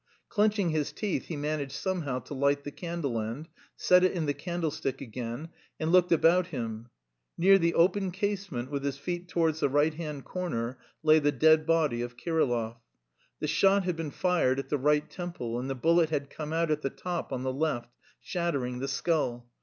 Clenching his teeth, he managed somehow to light the candle end, set it in the candlestick again, and looked about him: near the open casement, with his feet towards the right hand corner, lay the dead body of Kirillov. The shot had been fired at the right temple and the bullet had come out at the top on the left, shattering the skull.